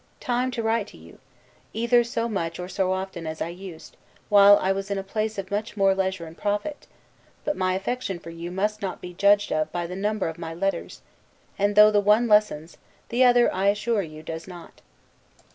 ] time to write to you, either so much or so often as I used, while I was in a place of much more leisure and profit; but my affection for you must not be judged of by the number of my letters; and, though the one lessens, the other, I assure you, does not.